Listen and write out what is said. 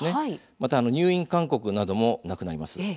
また入院勧告などもなくなります。